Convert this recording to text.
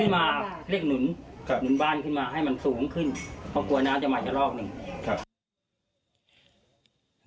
หนุนบ้านขึ้นมาให้มันสูงขึ้นเพราะกว่าน้ำจะมากกว่ารอบหนึ่งครับ